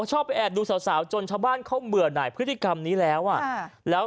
ชอบแอบดูสาวจนชาวบ้านเขาเหมือนในพฤติกรรมนี้แล้ว